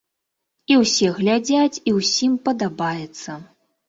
І ўсе глядзяць, і ўсім падабаецца.